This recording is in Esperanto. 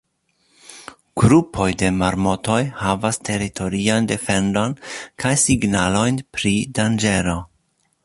Grupoj de marmotoj havas teritorian defendon kaj signalojn pri danĝero.